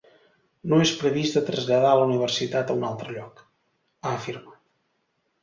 No és previst de traslladar la universitat a un altre lloc, ha afirmat.